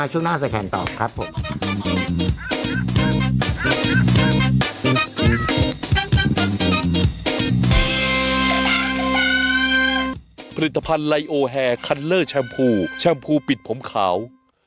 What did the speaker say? ผลิตภัณฑ์ไลโอแฮร์คัลเลอร์แชมพูแชมพูปิดผมขาว